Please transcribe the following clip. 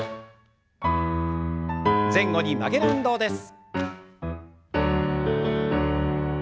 前後に曲げる運動です。